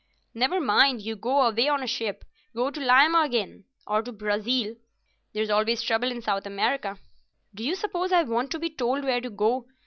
"Never mind. You go away on a ship. Go to Lima again, or to Brazil. There's always trouble in South America." "Do you suppose I want to be told where to go?